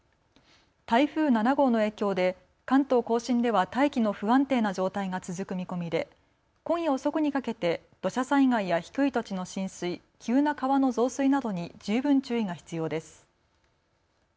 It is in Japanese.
台風７号の影響で関東甲信では大気の不安定な状態が続く見込みで今夜遅くにかけて土砂災害や低い土地の浸水、急な川の増水などに十分注意が必要です。